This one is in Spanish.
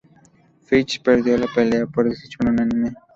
Fitch perdió la pelea por decisión unánime.